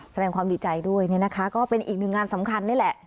แสดงความดีใจด้วยเนี่ยนะคะก็เป็นอีกหนึ่งงานสำคัญนี่แหละ